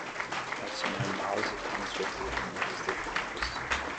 Adicionar mouse e fones de ouvido à minha lista de compras